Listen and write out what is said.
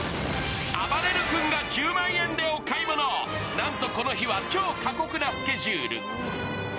なんとこの日は超過酷なスケジュール。